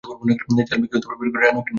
Jail ভেংগে বের করে আনা ভিন্ন কথা।